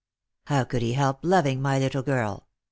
" How could he help loving my little girl